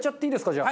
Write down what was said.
じゃあ。